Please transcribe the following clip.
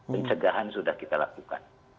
pencegahan sudah kita lakukan